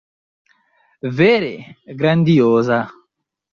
Vere grandioza!